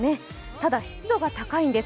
ただ、湿度が高いんです。